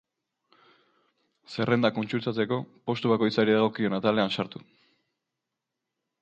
Zerrendak kontsultatzeko, postu bakoitzari dagokion atalean sartu.